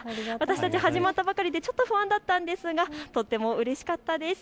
始まったばかりで不安だったんですがとってもうれしかったです。